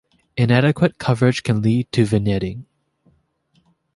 Inadequate coverage can lead to vignetting.